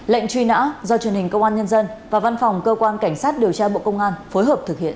lệnh truy nã do truyền hình công an nhân dân và văn phòng cơ quan cảnh sát điều tra bộ công an phối hợp thực hiện